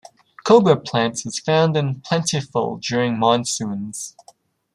Cobra Plant is found in plentiful during monsoons.